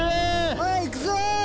はい行くぞ！